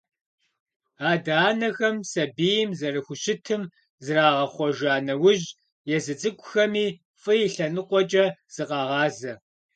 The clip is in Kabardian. Адэ-анэхэм сабийм зэрыхущытым зрагъэхъуэжа нэужь, езы цӀыкӀухэми фӀы и лъэныкъуэкӀэ зыкъагъазэ.